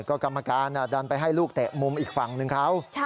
ก็กรรมการดันไปให้ลูกเตะมุมอีกฝั่งหนึ่งเขา